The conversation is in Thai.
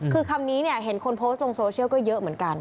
คือคำนี้เนี่ยเห็นคนโพสต์ลงโซเชียลก็เยอะเหมือนกัน